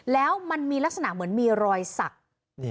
แล้วมันมีลักษณะเหมือนมีรอยสัก